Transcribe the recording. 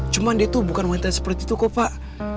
cuman dia itu bukan wanita seperti itu kok pak